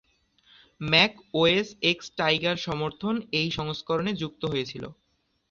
Mac OS X Tiger সমর্থন এই সংস্করণে যুক্ত হয়েছিল।